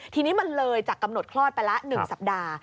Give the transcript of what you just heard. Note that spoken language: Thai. ทีนี้มันเลยจากกำหนดคลอดไปละ๑สัปดาห์